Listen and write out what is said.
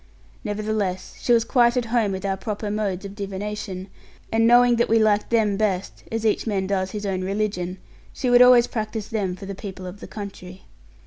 Nevertheless she was quite at home with our proper modes of divination; and knowing that we liked them best as each man does his own religion she would always practise them for the people of the country.